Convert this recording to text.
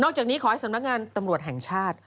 จากนี้ขอให้สำนักงานตำรวจแห่งชาติ